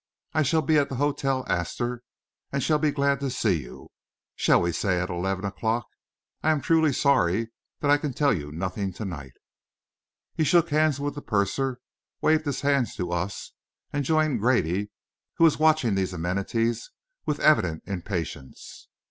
"I shall be at the Hotel Astor, and shall be glad to see you shall we say at eleven o'clock? I am truly sorry that I can tell you nothing to night." He shook hands with the purser, waved his hand to us, and joined Grady, who was watching these amenities with evident impatience.